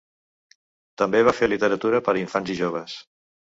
També va fer literatura per a infants i joves.